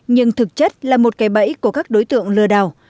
nhưng thực chất là một cái bẫy của các đối tượng lừa đảo